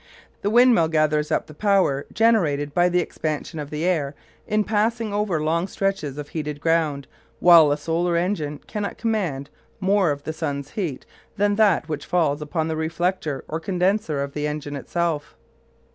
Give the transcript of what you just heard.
The windmill gathers up the power generated by the expansion of the air in passing over long stretches of heated ground, while a solar engine cannot command more of the sun's heat than that which falls upon the reflector or condenser of the engine itself.